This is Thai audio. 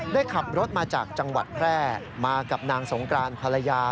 ได้ขับรถมาจากจังหวัดแพร่มากับนางสงกรานภรรยา